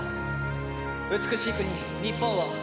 美しい国日本を。